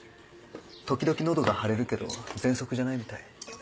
時々喉が腫れるけどぜんそくじゃないみたい。